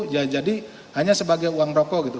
ya jadi hanya sebagai uang rokok gitu